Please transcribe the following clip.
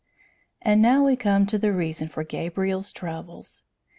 And now we come to the reason for Gabriel's troubles.